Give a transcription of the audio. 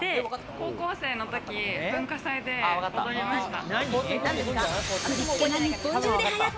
高校生のとき文化祭で踊りました。